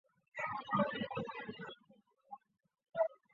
美国国内航班则可以合法的托运枪支。